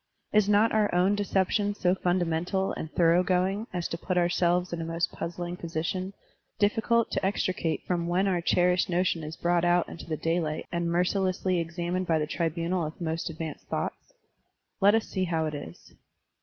Is not our own deception so fundamental and thorough going as to put ourselves in a most puzzling position, difficult to extricate from when otir cherished notion is brought out into the daylight and mercilessly examined by the tribunal of most advanced thoughts? Let us see how it is.